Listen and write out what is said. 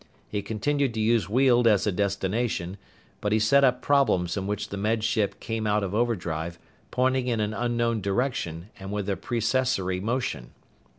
He continued to use Weald as a destination, but he set up problems in which the Med Ship came out of overdrive pointing in an unknown direction and with a precessory motion.